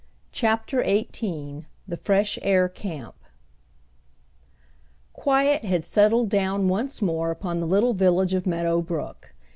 CHAPTER XVIII THE FRESH AIR CAMP Quiet had settled down once more upon the little village of Meadow Brook.